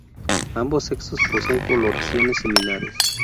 Ambos sexos poseen coloraciones similares.